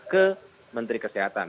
ke kementerian kesehatan